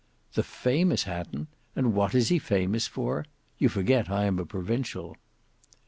"The famous Hatton! And what is he famous for? You forget I am a provincial."